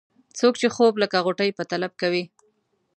څوک چې خوب لکه غوټۍ په طلب کوي.